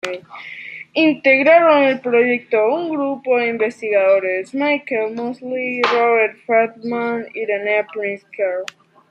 Integraron el proyecto un grupo de investigadores: Michael Moseley, Robert Feldman, Irene Pritzker.